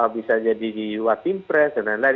bisa jadi watim pres dan lain lain